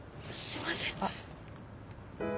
すいません。